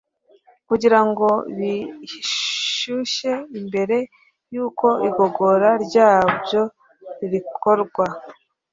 kugira ngo kibishyushe mbere yuko igogora ryabyo rikorwa